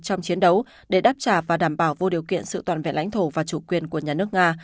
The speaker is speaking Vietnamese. trong chiến đấu để đáp trả và đảm bảo vô điều kiện sự toàn vẹn lãnh thổ và chủ quyền của nhà nước nga